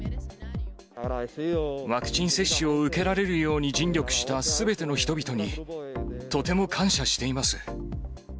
ワクチン接種を受けられるように尽力したすべての人々に、とても感謝しています。